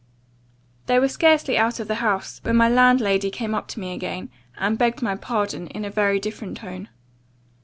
"They were scarcely out of the house, when my landlady came up to me again, and begged my pardon, in a very different tone.